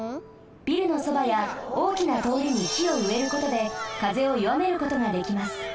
ビルのそばやおおきなとおりに木をうえることで風をよわめることができます。